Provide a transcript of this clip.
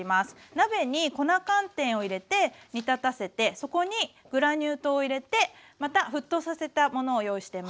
鍋に粉寒天を入れて煮立たせてそこにグラニュー糖を入れてまた沸騰させたものを用意してます。